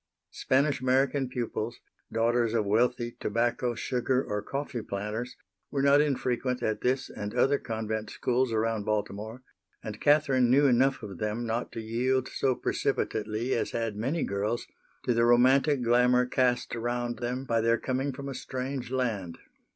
Spanish American pupils, daughters of wealthy tobacco, sugar or coffee planters, were not infrequent at this and other convent schools around Baltimore, and Catherine knew enough of them not to yield so precipitately as had many girls to the romantic glamour cast around them by their coming from a strange land.